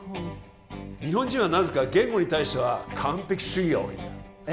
日本人はなぜか言語に対しては完璧主義が多いんだえ